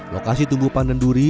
lokasi tumbuh pandan duri